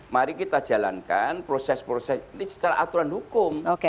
mari kita jalankan proses proses ini secara aturan hukum